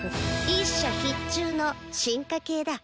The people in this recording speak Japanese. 「一射必中」の進化形だ。